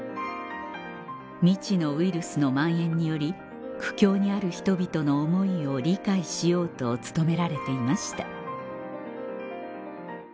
未知のウイルスの蔓延により苦境にある人々の思いを理解しようと努められていました